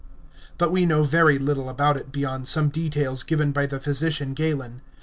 But we know very little about it beyond some details given by the physician Galen.